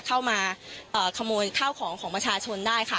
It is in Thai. เข้ามาขโมยข้าวของของประชาชนได้ค่ะ